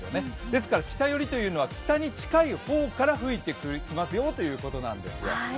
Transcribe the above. ですから北寄りというのは北に近い方から吹いてきますよということなんですよ。